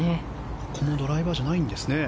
ここもドライバーじゃないんですね。